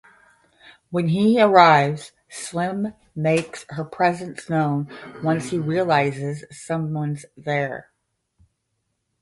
When he arrives, Slim makes her presence known once he realizes someone's there.